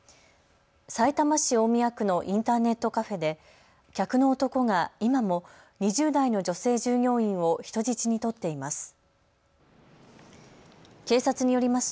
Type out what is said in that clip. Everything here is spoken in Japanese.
さいたま市大宮区のインターネットカフェで客の男が今も２０代の女性従業員を人質に取っています。